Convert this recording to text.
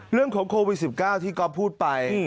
เรื่องของโควิด๑๙ที่ก๊อฟพูดไป